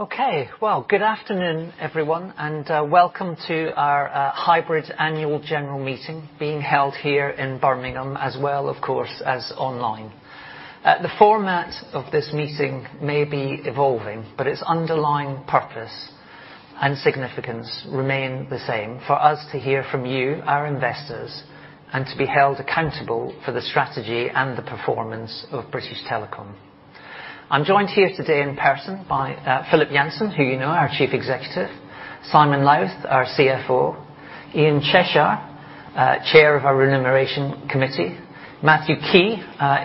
Okay. Well, good afternoon, everyone, and welcome to our hybrid annual general meeting being held here in Birmingham, as well, of course, as online. The format of this meeting may be evolving, but its underlying purpose and significance remain the same, for us to hear from you, our investors, and to be held accountable for the strategy and the performance of British Telecom. I'm joined here today in person by Philip Jansen, who you know, our Chief Executive, Simon Lowth, our CFO, Ian Cheshire, Chair of our Remuneration Committee, Matthew Key,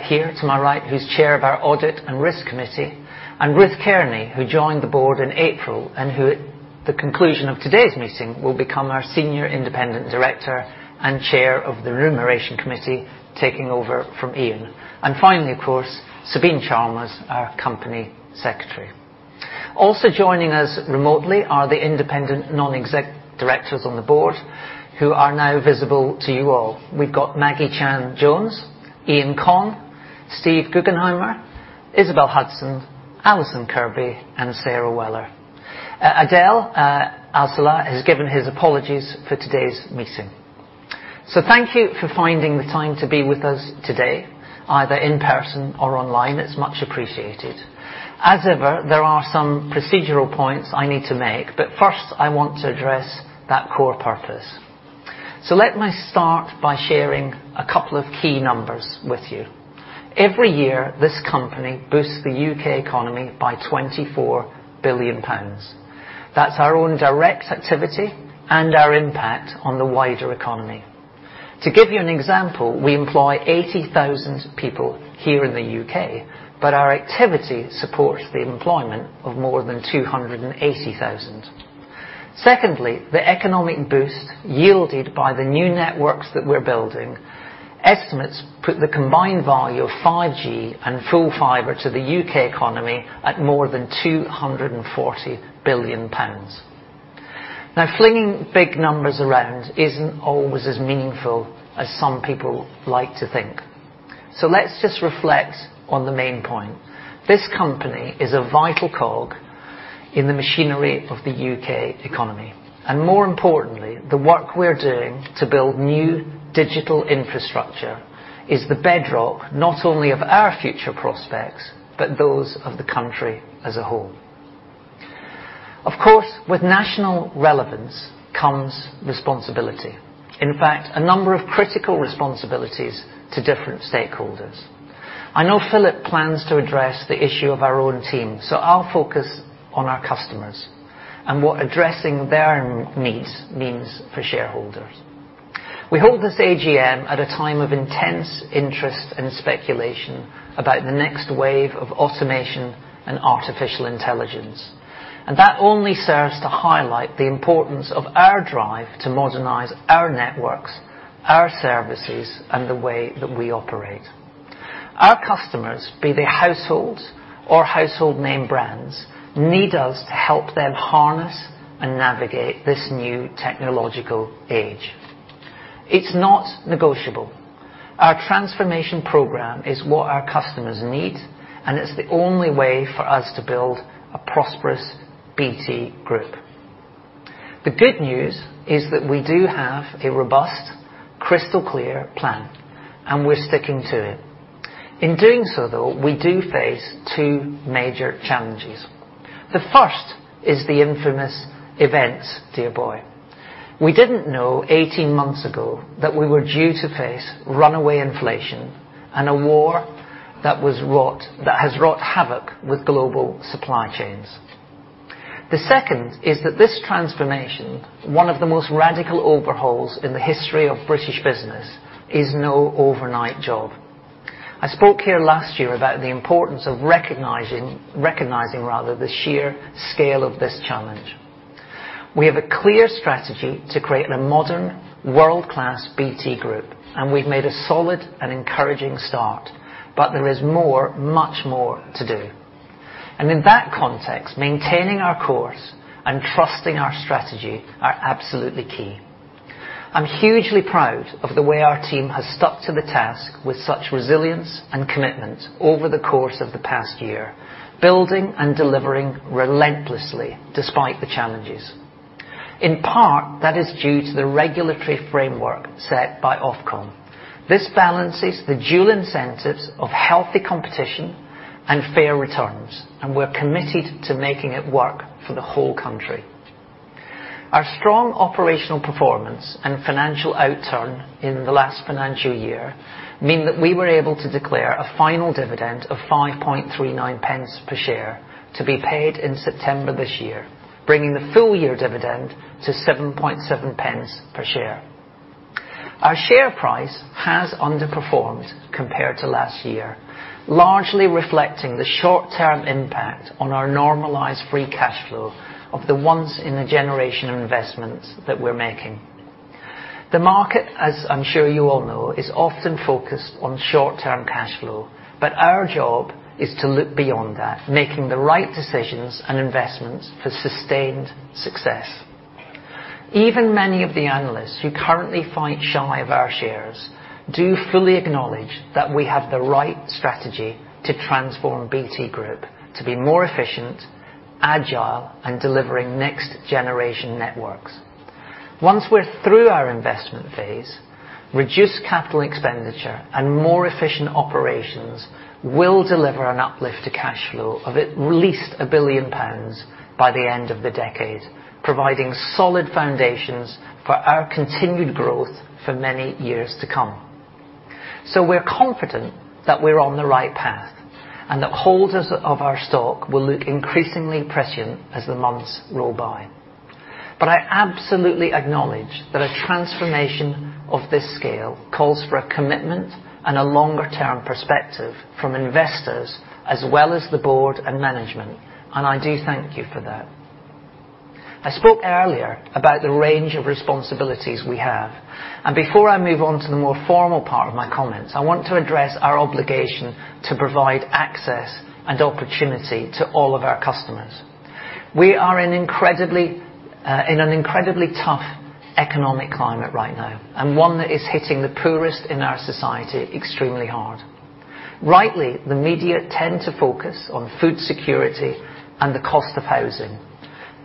here to my right, who's Chair of our Audit & Risk Committee, and Ruth Cairnie, who joined the board in April, and who, at the conclusion of today's meeting, will become our Senior Independent Director and Chair of the Remuneration Committee, taking over from Ian. Finally, of course, Sabine Chalmers, our Company Secretary. Also joining us remotely are the independent non-exec directors on the board who are now visible to you all. We've got Maggie Chan Jones, Iain Conn, Steven Guggenheimer, Isabel Hudson, Allison Kirkby, and Sara Weller. Adel Al-Saleh has given his apologies for today's meeting. Thank you for finding the time to be with us today, either in person or online. It's much appreciated. As ever, there are some procedural points I need to make, first, I want to address that core purpose. Let me start by sharing a couple of key numbers with you. Every year, this company boosts the U.K. economy by 24 billion pounds. That's our own direct activity and our impact on the wider economy. To give you an example, we employ 80,000 people here in the U.K., but our activity supports the employment of more than 280,000. Secondly, the economic boost yielded by the new networks that we're building, estimates put the combined value of 5G and full fibre to the U.K. economy at more than 240 billion pounds. Flinging big numbers around isn't always as meaningful as some people like to think. Let's just reflect on the main point. This company is a vital cog in the machinery of the U.K. economy, and more importantly, the work we're doing to build new digital infrastructure is the bedrock not only of our future prospects, but those of the country as a whole. Of course, with national relevance comes responsibility. In fact, a number of critical responsibilities to different stakeholders. I know Philip plans to address the issue of our own team. I'll focus on our customers and what addressing their needs means for shareholders. We hold this AGM at a time of intense interest and speculation about the next wave of automation and artificial intelligence. That only serves to highlight the importance of our drive to modernize our networks, our services, and the way that we operate. Our customers, be they households or household name brands, need us to help them harness and navigate this new technological age. It's not negotiable. Our transformation program is what our customers need. It's the only way for us to build a prosperous BT Group. The good news is that we do have a robust, crystal clear plan. We're sticking to it. In doing so, though, we do face two major challenges. The first is the infamous events, dear boy. We didn't know 18 months ago that we were due to face runaway inflation and a war that has wrought havoc with global supply chains. The second is that this transformation, one of the most radical overhauls in the history of British business, is no overnight job. I spoke here last year about the importance of recognizing rather, the sheer scale of this challenge. We have a clear strategy to create a modern, world-class BT Group, we've made a solid and encouraging start, there is more, much more to do. In that context, maintaining our course and trusting our strategy are absolutely key. I'm hugely proud of the way our team has stuck to the task with such resilience and commitment over the course of the past year, building and delivering relentlessly despite the challenges. In part, that is due to the regulatory framework set by Ofcom. This balances the dual incentives of healthy competition and fair returns, and we're committed to making it work for the whole country. Our strong operational performance and financial outturn in the last financial year mean that we were able to declare a final dividend of 0.0539 per share to be paid in September this year, bringing the full year dividend to 0.077 per share. Our share price has underperformed compared to last year, largely reflecting the short-term impact on our normalized free cash flow of the once in a generation investments that we're making. The market, as I'm sure you all know, is often focused on short-term cash flow, but our job is to look beyond that, making the right decisions and investments for sustained success. Even many of the analysts who currently fight shy of our shares do fully acknowledge that we have the right strategy to transform BT Group to be more efficient, agile, and delivering next-generation networks. Once we're through our investment phase, reduced capital expenditure and more efficient operations will deliver an uplift to cash flow of at least 1 billion pounds by the end of the decade, providing solid foundations for our continued growth for many years to come. We're confident that we're on the right path, and that holders of our stock will look increasingly prescient as the months roll by. I absolutely acknowledge that a transformation of this scale calls for a commitment and a longer-term perspective from investors, as well as the board and management, and I do thank you for that. I spoke earlier about the range of responsibilities we have, and before I move on to the more formal part of my comments, I want to address our obligation to provide access and opportunity to all of our customers. We are in incredibly, in an incredibly tough economic climate right now and one that is hitting the poorest in our society extremely hard. Rightly, the media tend to focus on food security and the cost of housing,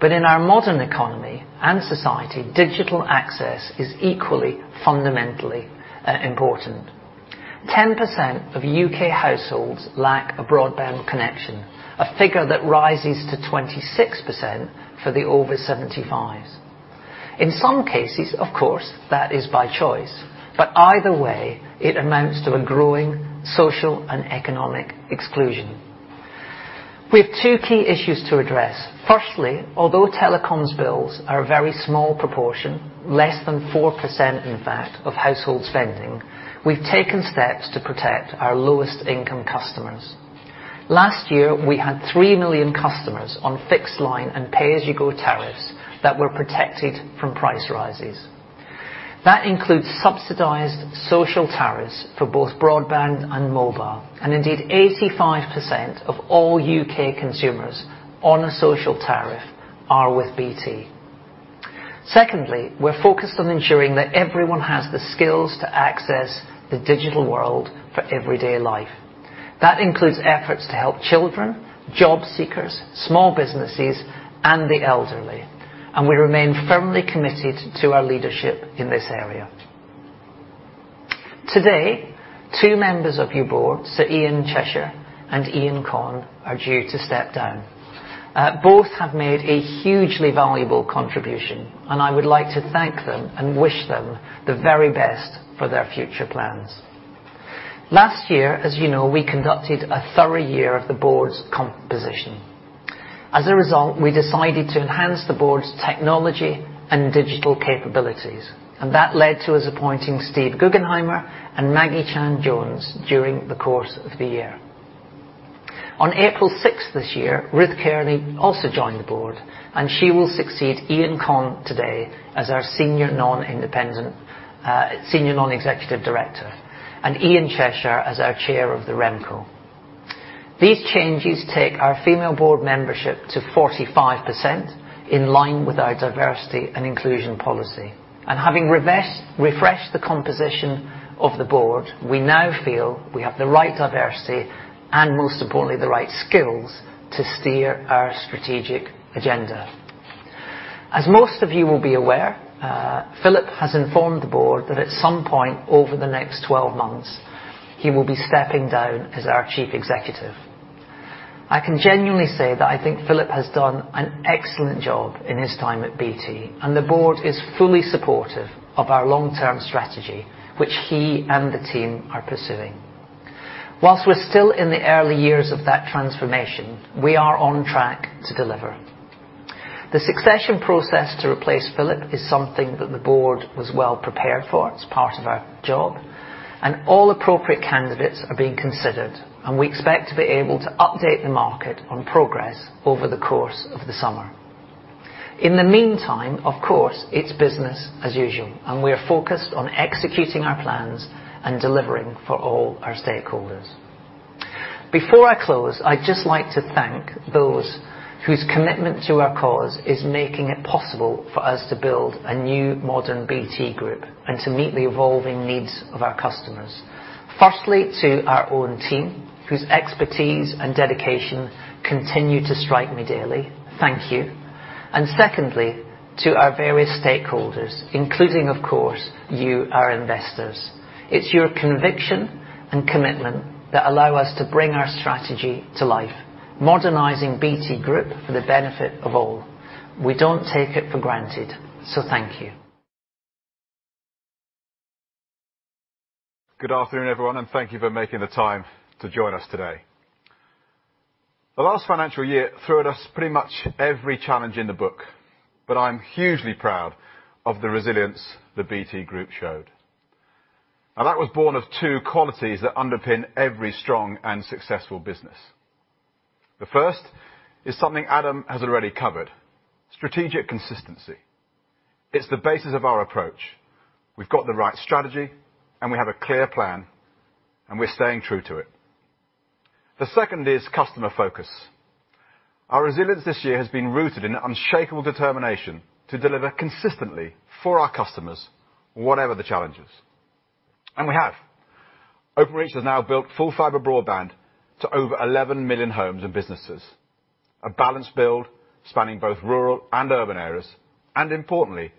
but in our modern economy and society, digital access is equally fundamentally important. 10% of UK households lack a broadband connection, a figure that rises to 26% for the over 75s. In some cases, of course, that is by choice, but either way, it amounts to a growing social and economic exclusion. We have two key issues to address. Firstly, although telecoms bills are a very small proportion, less than 4%, in fact, of household spending, we've taken steps to protect our lowest income customers. Last year, we had 3 million customers on fixed line and pay-as-you-go tariffs that were protected from price rises. That includes subsidized social tariffs for both broadband and mobile, and indeed, 85% of all UK consumers on a social tariff are with BT. Secondly, we're focused on ensuring that everyone has the skills to access the digital world for everyday life. That includes efforts to help children, job seekers, small businesses, and the elderly, and we remain firmly committed to our leadership in this area. Today, two members of your board, Sir Ian Cheshire and Iain Conn, are due to step down. Both have made a hugely valuable contribution. I would like to thank them and wish them the very best for their future plans. Last year, as you know, we conducted a thorough year of the board's composition. As a result, we decided to enhance the board's technology and digital capabilities. That led to us appointing Steven Guggenheimer and Maggie Chan Jones during the course of the year. On April 6 this year, Ruth Cairnie also joined the board. She will succeed Iain Conn today as our Senior Non-Independent, Senior Non-Executive Director, and Ian Cheshire as our Chair of the Remco. These changes take our female board membership to 45%, in line with our diversity and inclusion policy. Having refreshed the composition of the board, we now feel we have the right diversity, and most importantly, the right skills to steer our strategic agenda. As most of you will be aware, Philip has informed the board that at some point over the next 12 months, he will be stepping down as our chief executive. I can genuinely say that I think Philip has done an excellent job in his time at BT, and the board is fully supportive of our long-term strategy, which he and the team are pursuing. Whilst we're still in the early years of that transformation, we are on track to deliver. The succession process to replace Philip is something that the board was well prepared for. It's part of our job, and all appropriate candidates are being considered, and we expect to be able to update the market on progress over the course of the summer. In the meantime, of course, it's business as usual, and we are focused on executing our plans and delivering for all our stakeholders. Before I close, I'd just like to thank those whose commitment to our cause is making it possible for us to build a new, modern BT Group and to meet the evolving needs of our customers. Firstly, to our own team, whose expertise and dedication continue to strike me daily. Thank you. Secondly, to our various stakeholders, including, of course, you, our investors. It's your conviction and commitment that allow us to bring our strategy to life, modernizing BT Group for the benefit of all. We don't take it for granted, thank you. Good afternoon, everyone, and thank you for making the time to join us today. The last financial year threw at us pretty much every challenge in the book, but I'm hugely proud of the resilience the BT Group showed. That was born of two qualities that underpin every strong and successful business. The first is something Adam has already covered: strategic consistency. It's the basis of our approach. We've got the right strategy, and we have a clear plan, and we're staying true to it....The second is customer focus. Our resilience this year has been rooted in an unshakable determination to deliver consistently for our customers, whatever the challenges. We have. Openreach has now built full fibre broadband to over 11 million homes and businesses. A balanced build spanning both rural and urban areas, and importantly,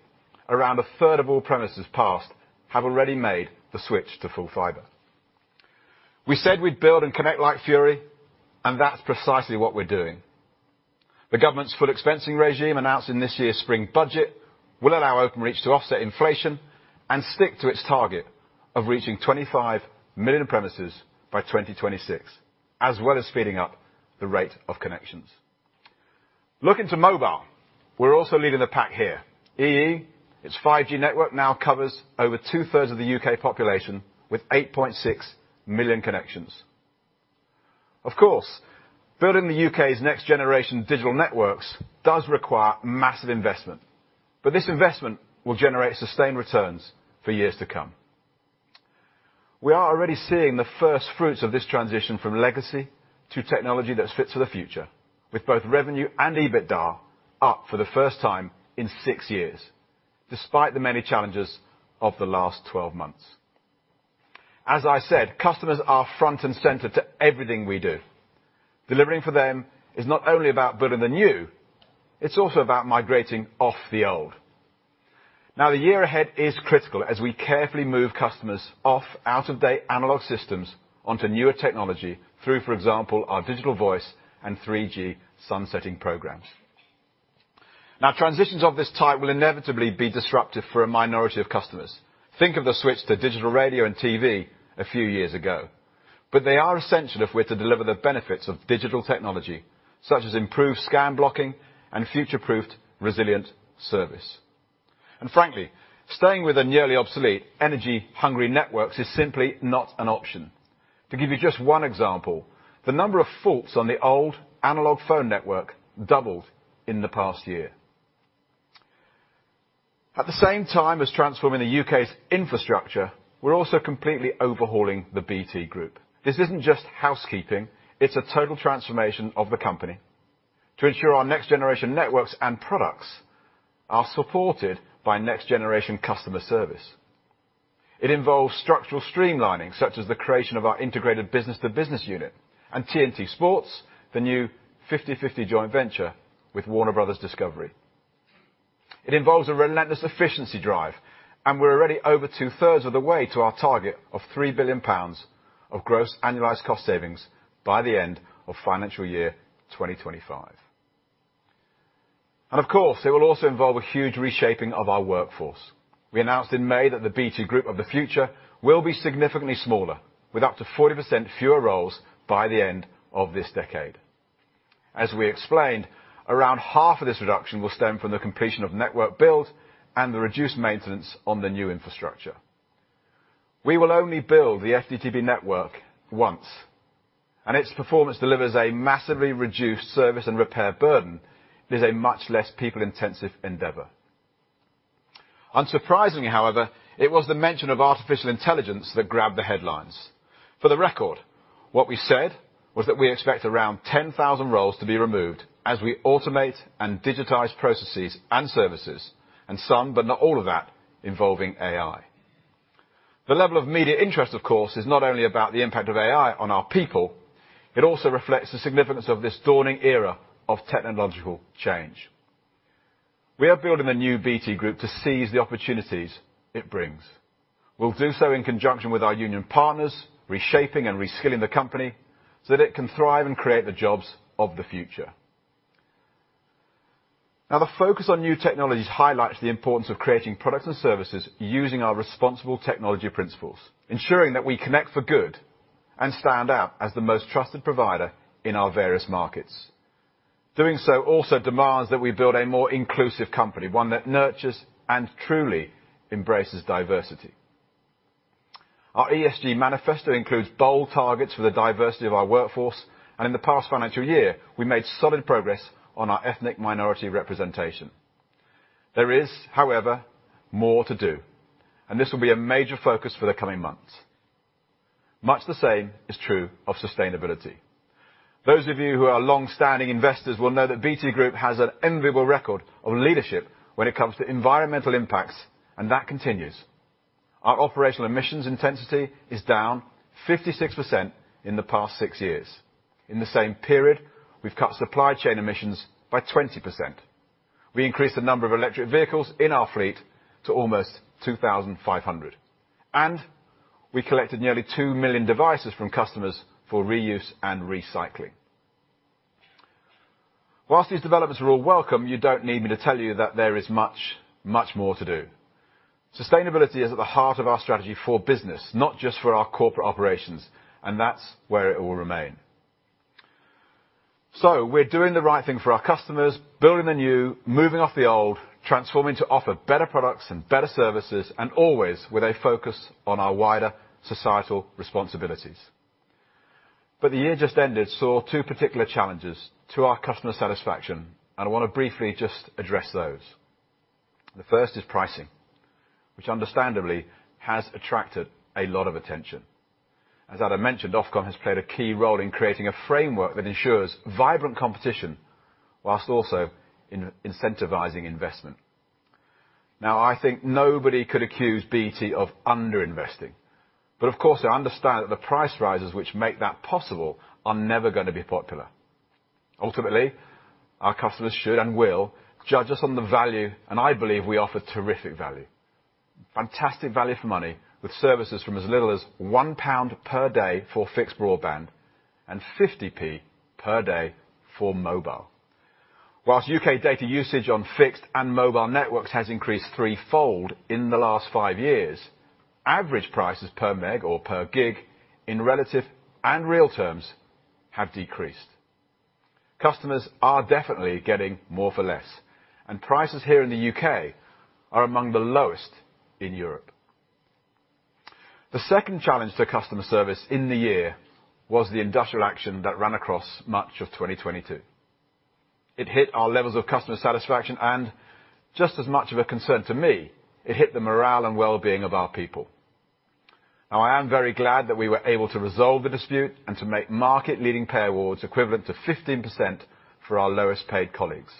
around a third of all premises passed have already made the switch to full fibre. We said we'd build and connect like fury, and that's precisely what we're doing. The government's full expensing regime, announced in this year's spring budget, will allow Openreach to offset inflation and stick to its target of reaching 25 million premises by 2026, as well as speeding up the rate of connections. Looking to mobile, we're also leading the pack here. EE, its 5G network now covers over two-thirds of the U.K. population, with 8.6 million connections. Of course, building the U.K.'s next-generation digital networks does require massive investment, but this investment will generate sustained returns for years to come. We are already seeing the first fruits of this transition from legacy to technology that's fit for the future, with both revenue and EBITDA up for the first time in six years, despite the many challenges of the last 12 months. As I said, customers are front and center to everything we do. Delivering for them is not only about building the new, it's also about migrating off the old. The year ahead is critical as we carefully move customers off out-of-date analog systems onto newer technology through, for example, our Digital Voice and 3G sunsetting programs. Transitions of this type will inevitably be disruptive for a minority of customers. Think of the switch to digital radio and TV a few years ago. They are essential if we're to deliver the benefits of digital technology, such as improved scam blocking and future-proofed, resilient service. Frankly, staying with the nearly obsolete energy-hungry networks is simply not an option. To give you just one example, the number of faults on the old analog phone network doubled in the past year. At the same time as transforming the UK's infrastructure, we're also completely overhauling the BT Group. This isn't just housekeeping, it's a total transformation of the company to ensure our next-generation networks and products are supported by next-generation customer service. It involves structural streamlining, such as the creation of our integrated business-to-business unit and TNT Sports, the new 50/50 joint venture with Warner Bros. Discovery. It involves a relentless efficiency drive, we're already over two-thirds of the way to our target of 3 billion pounds of gross annualized cost savings by the end of financial year 2025. Of course, it will also involve a huge reshaping of our workforce. We announced in May that the BT Group of the future will be significantly smaller, with up to 40% fewer roles by the end of this decade. As we explained, around half of this reduction will stem from the completion of network build and the reduced maintenance on the new infrastructure. We will only build the FTTP network once, and its performance delivers a massively reduced service and repair burden. It is a much less people-intensive endeavor. Unsurprisingly, however, it was the mention of artificial intelligence that grabbed the headlines. For the record, what we said was that we expect around 10,000 roles to be removed as we automate and digitize processes and services, and some, but not all of that, involving AI. The level of media interest, of course, is not only about the impact of AI on our people, it also reflects the significance of this dawning era of technological change. We are building a new BT Group to seize the opportunities it brings. We'll do so in conjunction with our union partners, reshaping and reskilling the company so that it can thrive and create the jobs of the future. The focus on new technologies highlights the importance of creating products and services using our responsible technology principles, ensuring that we connect for good and stand out as the most trusted provider in our various markets. Doing so also demands that we build a more inclusive company, one that nurtures and truly embraces diversity. Our ESG manifesto includes bold targets for the diversity of our workforce. In the past financial year, we made solid progress on our ethnic minority representation. There is, however, more to do, and this will be a major focus for the coming months. Much the same is true of sustainability. Those of you who are longstanding investors will know that BT Group has an enviable record of leadership when it comes to environmental impacts, and that continues. Our operational emissions intensity is down 56% in the past six years. In the same period, we've cut supply chain emissions by 20%. We increased the number of electric vehicles in our fleet to almost 2,500, and we collected nearly 2 million devices from customers for reuse and recycling. While these developments are all welcome, you don't need me to tell you that there is much, much more to do. Sustainability is at the heart of our strategy for business, not just for our corporate operations. That's where it will remain. We're doing the right thing for our customers, building the new, moving off the old, transforming to offer better products and better services, and always with a focus on our wider societal responsibilities. The year just ended saw two particular challenges to our customer satisfaction. I want to briefly just address those. The first is pricing, which understandably has attracted a lot of attention. As Adam mentioned, Ofcom has played a key role in creating a framework that ensures vibrant competition, while also incentivizing investment. I think nobody could accuse BT of under-investing, of course, I understand that the price rises which make that possible are never gonna be popular. Ultimately, our customers should and will judge us on the value, and I believe I offer terrific value. Fantastic value for money, with services from as little as 1 pound per day for fixed broadband and 0.50 per day for mobile. U.K. data usage on fixed and mobile networks has increased threefold in the last 5 years, average prices per meg or per gig in relative and real terms have decreased. Customers are definitely getting more for less, and prices here in the U.K. are among the lowest in Europe. The second challenge to customer service in the year was the industrial action that ran across much of 2022. It hit our levels of customer satisfaction, and just as much of a concern to me, it hit the morale and well-being of our people. I am very glad that we were able to resolve the dispute and to make market-leading pay awards equivalent to 15% for our lowest paid colleagues.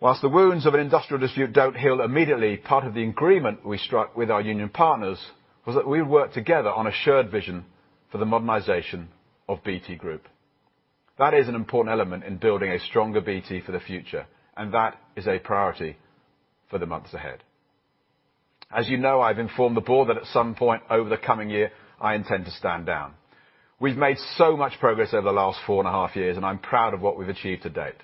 While the wounds of an industrial dispute don't heal immediately, part of the agreement we struck with our union partners was that we work together on a shared vision for the modernization of BT Group. That is an important element in building a stronger BT for the future, and that is a priority for the months ahead. As you know, I've informed the board that at some point over the coming year, I intend to stand down. We've made so much progress over the last four and a half years, and I'm proud of what we've achieved to date.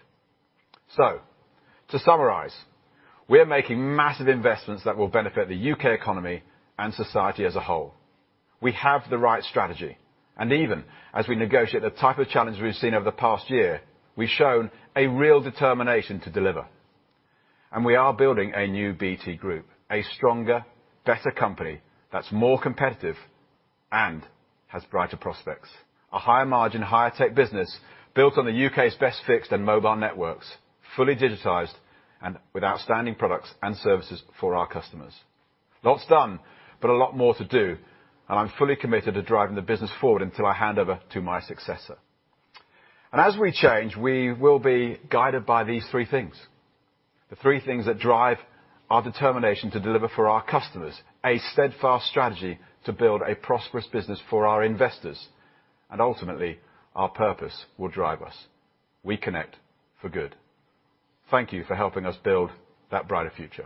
To summarize, we are making massive investments that will benefit the UK economy and society as a whole. We have the right strategy, and even as we negotiate the type of challenge we've seen over the past year, we've shown a real determination to deliver. We are building a new BT Group, a stronger, better company that's more competitive and has brighter prospects. A higher margin, higher tech business built on the UK's best fixed and mobile networks, fully digitized and with outstanding products and services for our customers. Lots done, but a lot more to do, and I'm fully committed to driving the business forward until I hand over to my successor. As we change, we will be guided by these three things, the three things that drive our determination to deliver for our customers, a steadfast strategy to build a prosperous business for our investors, and ultimately, our purpose will drive us. We connect for good. Thank you for helping us build that brighter future.